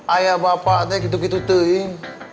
ayah bapak itu gitu gitu tuh ini